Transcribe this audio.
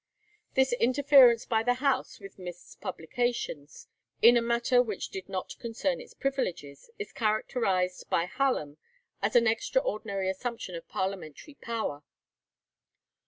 This interference by the House with Mist's publications in a matter which did not concern its privileges is characterized by Hallam as an extraordinary assumption of parliamentary power.